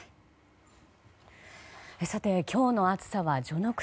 今日の暑さは序の口。